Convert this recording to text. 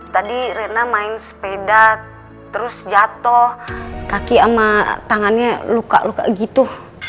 tadi rena main sepeda terus jatuh kaki sama tangannya luka luka gitu